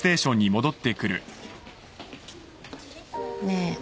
ねえ。